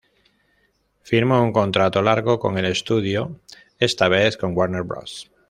Firmo un contrato largo con el estudio esta vez con Warner Bros.